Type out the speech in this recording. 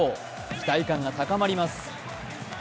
期待感が高まります。